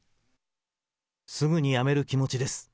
すぐに辞める気持ちです。